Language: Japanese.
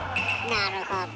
なるほど。